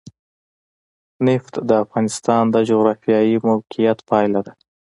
نفت د افغانستان د جغرافیایي موقیعت پایله ده.